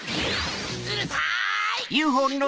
うるさい！